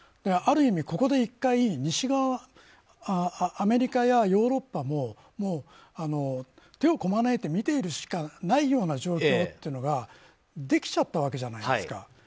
ある意味、ここで１回西側はアメリカやヨーロッパも手をこまねいて見ているしかないような状況というのができちゃったわけじゃないですか。